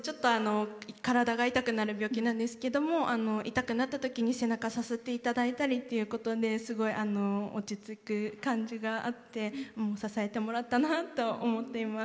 体が痛くなる病気なんですけども痛くなったときに背中をさすっていただいたりっていうことですごい落ち着く感じがあって支えてもらったなと思っています。